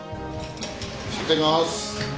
いただきます！